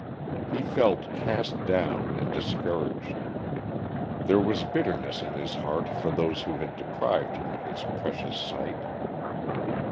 He felt cast down and discouraged. There was bitterness in his heart for those who had deprived him of his precious sight.